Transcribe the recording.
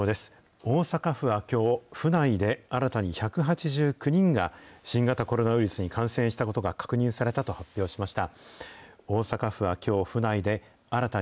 大阪府はきょう、府内で新たに１８９人が、新型コロナウイルスに感染したことが確認されたと発表しました。